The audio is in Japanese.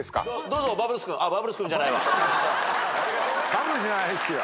バブルスじゃないっすよ。